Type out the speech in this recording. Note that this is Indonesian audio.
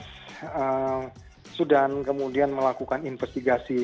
otoritas sudan kemudian melakukan investigasi